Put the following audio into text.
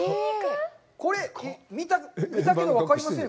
これ、見たけど分かりませんよ。